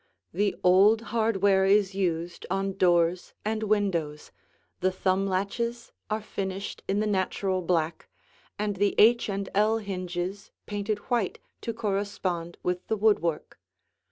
The old hardware is used on doors and windows, the thumb latches are finished in the natural black, and the H and L hinges painted white to correspond with the woodwork.